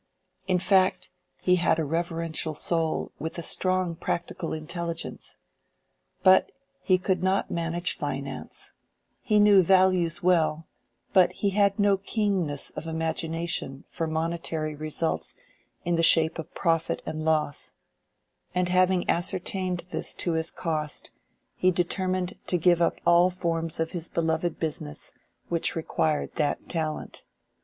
In fact, he had a reverential soul with a strong practical intelligence. But he could not manage finance: he knew values well, but he had no keenness of imagination for monetary results in the shape of profit and loss: and having ascertained this to his cost, he determined to give up all forms of his beloved "business" which required that talent.